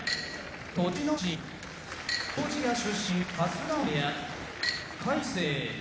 栃ノ心ジョージア出身春日野部屋魁聖